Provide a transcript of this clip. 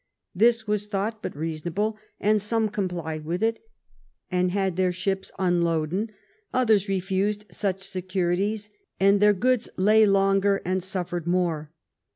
This was thought but reasonable, and some complied with it and had their ships unloaden; others refused such securities, and their goods lay longer and suffered more.